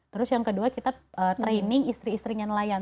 terus yang kedua kita training istri istrinya nelayan